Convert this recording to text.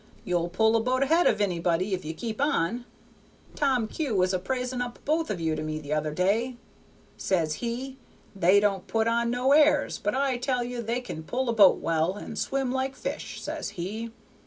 You'll pull a boat ahead of anybody, if you keep on. Tom Kew was a praisin' up both of you to me the other day: says he, 'They don't put on no airs, but I tell ye they can pull a boat well, and swim like fish,' says he.